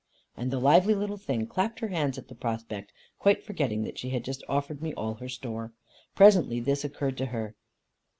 And the lively little thing clapped her hands at the prospect, quite forgetting that she had just offered me all her store. Presently this occurred to her.